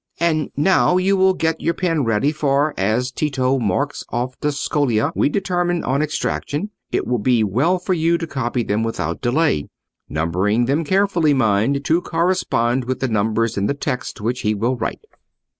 "And now you will get your pen ready; for, as Tito marks off the scholia we determine on extracting, it will be well for you to copy them without delay—numbering them carefully, mind, to correspond with the numbers in the text which he will write."